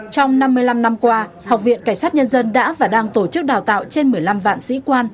trong năm mươi năm năm qua học viện cảnh sát nhân dân đã và đang tổ chức đào tạo trên một mươi năm vạn sĩ quan